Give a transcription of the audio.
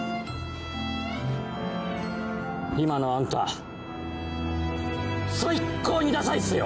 今のあんた最高にダサいっすよ。